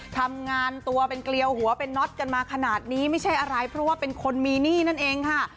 ทำงานตัวเป็นเกลียวหัวเป็นน็อตกันมาขนาดนี้ไม่ใช่อะไรเพราะว่าเป็นคนมีหนี้นั่นเองค่ะ